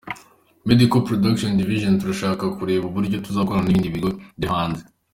Medical Production Division : Turashaka kureba uburyo tuzakorana n’ibindi bigo byo hanze.